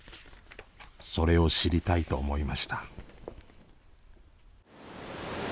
それを知りたいと思いました。